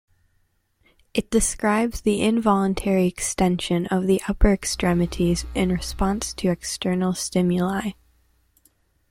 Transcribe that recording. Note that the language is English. It describes the involuntary extension of the upper extremities in response to external stimuli.